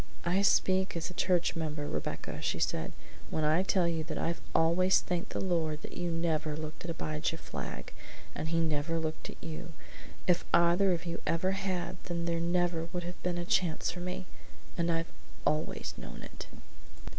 "I speak as a church member, Rebecca," she said, "when I tell you I've always thanked the Lord that you never looked at Abijah Flagg and he never looked at you. If either of you ever had, there never would have been a chance for me, and I've always known it!"